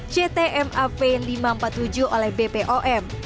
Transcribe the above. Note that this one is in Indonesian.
ctmav lima ratus empat puluh tujuh oleh bpom